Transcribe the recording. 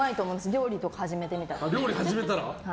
料理とか始めたら。